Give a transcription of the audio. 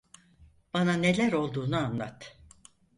Bana neler olduğunu anlat.